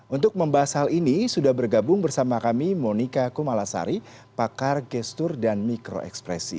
untuk membahas hal ini sudah bergabung bersama kami monika kumalasari pakar gestur dan mikro ekspresi